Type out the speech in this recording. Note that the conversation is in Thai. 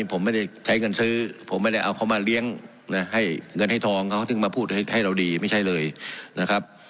เพียงเงินให้ทองเขาจึงมาพูดให้เราดีไม่ใช่เลยนะครับ